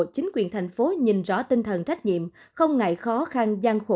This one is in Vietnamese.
chính quyền thành phố nhìn rõ tinh thần trách nhiệm không ngại khó khăn gian khổ